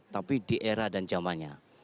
tapi di era dan zamannya